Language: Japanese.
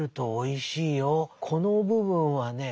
この部分はね